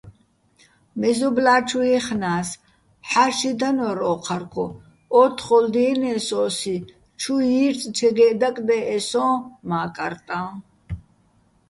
მეზობლა́ჩუ ჲეხნა́ს, ჰ̦ა́ში დანო́რ ოჴარგო, ო́თთხოლ დიენე́ს ო́სი, ჩუ ჲირწჩეგეჸ დაკდე́ჸე სოჼ მა́კარტაჼ.